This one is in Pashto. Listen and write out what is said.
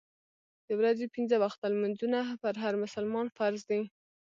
د ورځې پنځه وخته لمونځونه پر هر مسلمان فرض دي.